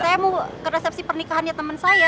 saya mau ke resepsi pernikahannya teman saya